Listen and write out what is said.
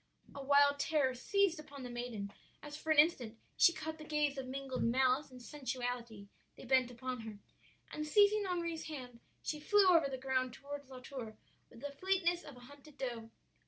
"A wild terror seized upon the maiden as for an instant she caught the gaze of mingled malice and sensuality they bent upon her; and seizing Henri's hand, she flew over the ground toward La Tour with the fleetness of a hunted doe.